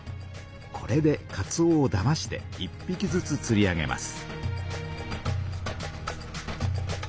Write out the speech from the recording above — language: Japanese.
これでかつおをだまして１ぴきずつつり上げます。